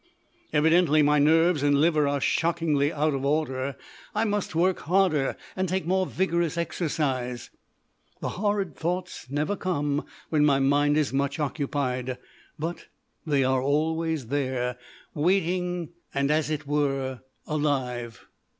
Evidently my nerves and liver are shockingly out of order. I must work harder and take more vigorous exercise. The horrid thoughts never come when my mind is much occupied. But they are always there waiting and as it were alive.